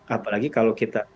apalagi kalau kita